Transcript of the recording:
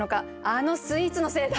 あのスイーツのせいだ！